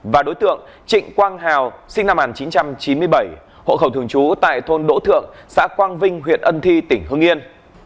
và đối tượng trịnh quang hào sinh năm một nghìn chín trăm chín mươi bảy hộ khẩu thường trú tại thôn đỗ thượng xã quang vinh huyện ân thi tỉnh hương yên